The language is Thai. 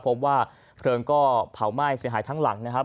พบว่าเพลิงก็เผาไหม้เสียหายทั้งหลังนะครับ